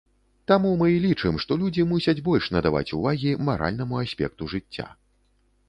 Таму мы і лічым, што людзі мусяць больш надаваць увагі маральнаму аспекту жыцця.